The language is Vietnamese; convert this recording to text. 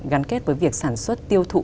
gắn kết với việc sản xuất tiêu thụ